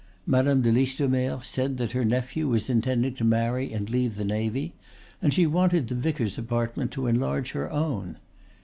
Madame de Listomere said that her nephew was intending to marry and leave the navy, and she wanted the vicar's apartment to enlarge her own.